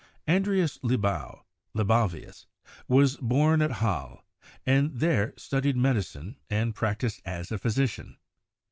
Andreas Libau (Libavius) was born at Halle, and there studied medicine and practiced as a physician.